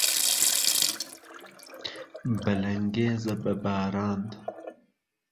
بە لەنگێزە، بە باران